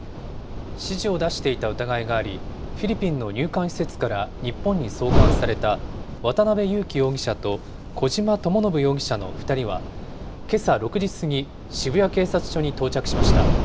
指示を出していた疑いがあり、フィリピンの入管施設から日本に送還された渡邉優樹容疑者と小島智信容疑者の２人は、けさ６時過ぎ、渋谷警察署に到着しました。